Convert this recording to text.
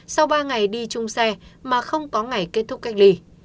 sau ba ngày đi chung xe mà không có ngày kết thúc cách ly